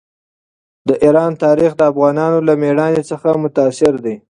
د ایران تاریخ د افغانانو له مېړانې څخه متاثره دی.